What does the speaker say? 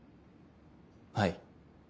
はい。